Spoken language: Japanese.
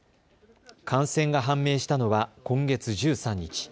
感染が判明したのは今月１３日。